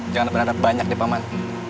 jangan ada banyak deh paman